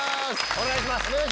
お願いします。